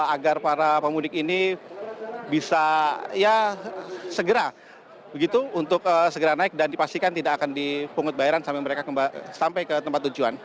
agar para pemudik ini bisa segera naik dan dipastikan tidak akan dipungut bayaran sampai ke tempat tujuan